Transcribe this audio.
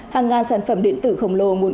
hàng ngàn sản phẩm điện tử khổng lồ